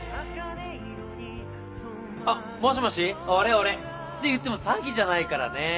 あっもしもし俺俺！っていっても詐欺じゃないからね。